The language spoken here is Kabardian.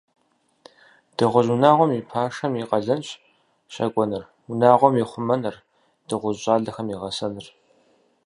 Дыгъужь унагъуэм и пашэм и къалэнщ щакӏуэныр, унагъуэм и хъумэныр, дыгъужь щӏалэхэм и гъэсэныр.